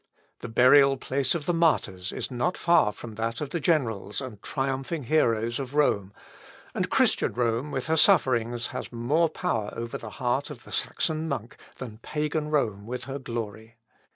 The burial place of the martyrs is not far from that of the generals and triumphing heroes of Rome, and Christian Rome, with her sufferings, has more power over the heart of the Saxon monk than Pagan Rome with her glory.